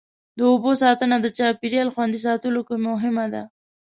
د اوبو ساتنه د چاپېریال خوندي ساتلو کې مهمه ده.